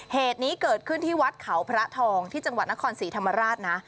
เหตุนี้เกิดขึ้นที่วัดเขาพระทองที่จังหวัดนครศรีธรรมราชนะ